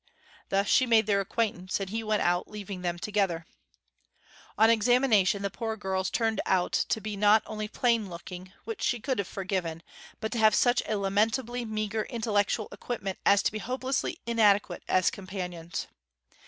Thus she made their acquaintance, and he went out, leaving them together. On examination the poor girls turned out to be not only plain looking, which she could have forgiven, but to have such a lamentably meagre intellectual equipment as to be hopelessly inadequate as companions.